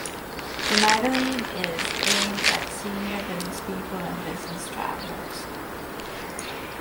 The magazine is aimed at senior businesspeople and business travellers.